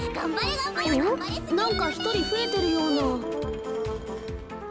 なんかひとりふえてるような。